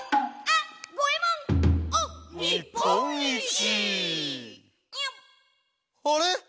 「あれ！